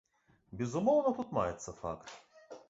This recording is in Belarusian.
Безумоўна, тут маецца факт.